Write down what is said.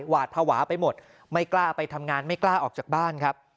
หวาดภาวะไปหมดไม่กล้าไปทำงานไม่กล้าออกจากบ้านครับ